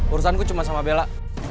urusan ku cuma sama bella